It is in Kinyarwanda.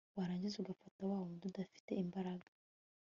warangiza ugafata wawundi udafite imbaraga